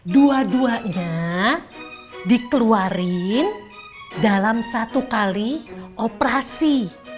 dua duanya dikeluarin dalam satu kali operasi